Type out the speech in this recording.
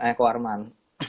eh ko arman